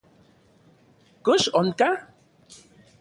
¿Kox onka?